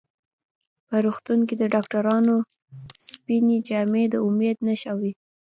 په روغتون کې د ډاکټرانو سپینې جامې د امید نښه وي.